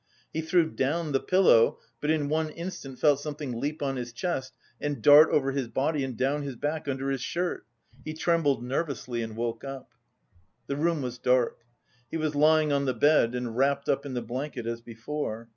He threw down the pillow, but in one instant felt something leap on his chest and dart over his body and down his back under his shirt. He trembled nervously and woke up. The room was dark. He was lying on the bed and wrapped up in the blanket as before.